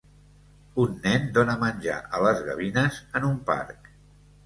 Un nen dona menjar a les gavines en un parc.